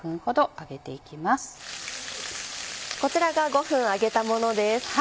こちらが５分揚げたものです。